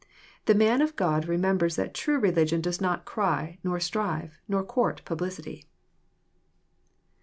The man of God remembers that true religion does not cry, nor strive," nor court publicity.